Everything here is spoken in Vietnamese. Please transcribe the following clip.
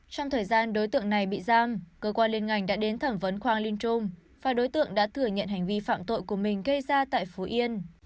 trong thời gian đối tượng này bị giam cơ quan liên ngành đã đến thẩm vấn khoang linkom và đối tượng đã thừa nhận hành vi phạm tội của mình gây ra tại phú yên